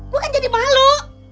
gua kan jadi malu